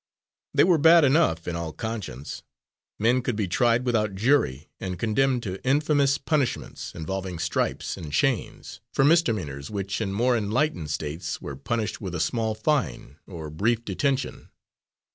They were bad enough, in all conscience. Men could be tried without jury and condemned to infamous punishments, involving stripes and chains, for misdemeanours which in more enlightened States were punished with a small fine or brief detention.